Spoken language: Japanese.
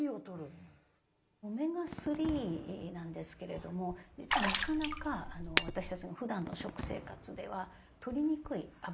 オメガ３なんですけれども実はなかなか私たちのふだんの食生活ではとりにくいあぶらなんです実は。